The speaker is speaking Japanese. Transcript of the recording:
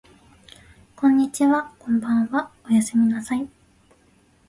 こんにちはこんばんはおやすみなさい